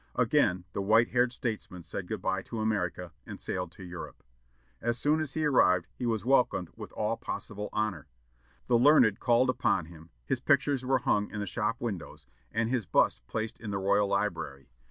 Again the white haired statesman said good bye to America, and sailed to Europe. As soon as he arrived, he was welcomed with all possible honor. The learned called upon him; his pictures were hung in the shop windows, and his bust placed in the Royal Library.